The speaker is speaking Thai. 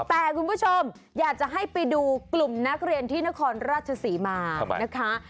แต่คุณผู้ชมอยากจะให้ไปดูกลุ่มนักเรียนที่นครราชศรีมานะคะ